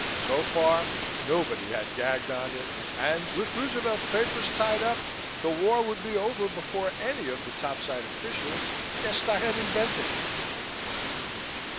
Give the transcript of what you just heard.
So far nobody had gagged on it and with Roosevelt's papers tied up, the war would be over before any of the topside officials guessed I had invented it.